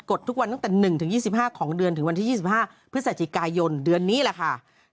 ดทุกวันตั้งแต่๑๒๕ของเดือนถึงวันที่๒๕พฤศจิกายนเดือนนี้แหละค่ะ